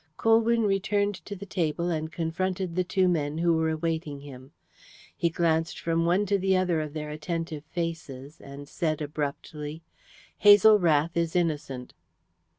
Colwyn returned to the table and confronted the two men who were awaiting him. He glanced from one to the other of their attentive faces, and said abruptly: "Hazel Rath is innocent."